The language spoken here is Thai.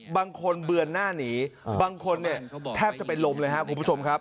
บางคนเบือนหน้าหนีบางคนเนี่ยแทบจะเป็นลมเลยครับคุณผู้ชมครับ